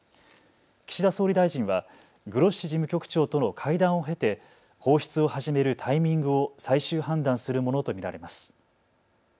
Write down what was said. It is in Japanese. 岸田総理大臣はグロッシ事務局長との会談を経て放出を始めるタイミングを最終判断するものと見られます。